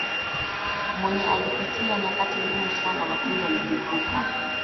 Mwinyi alipitia nyakati ngumu sana lakini alizivuka